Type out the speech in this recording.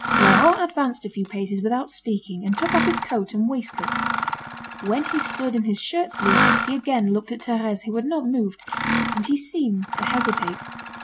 Laurent advanced a few paces without speaking, and took off his coat and waistcoat. When he stood in his shirt sleeves, he again looked at Thérèse, who had not moved, and he seemed to hesitate.